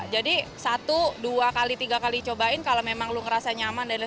jadi satu dua tiga kali cobain kalau memang lo ngerasa nyaman dan sesuai